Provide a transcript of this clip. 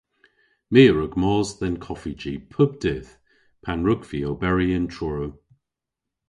My a wrug mos dhe'n koffiji pub dydh pan wrug vy oberi yn Truru.